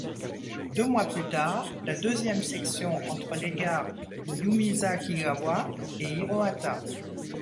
Deux mois plus tard, la deuxième section entre les gares de Yumesakigawa et Hirohata.